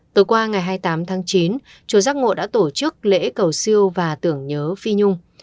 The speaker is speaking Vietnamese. tối qua ngày hai mươi tám tháng chín chùa giác ngộ đã tổ chức lễ cầu siêu và tưởng nhớ phi nhung